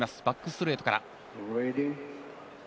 バックストレートから。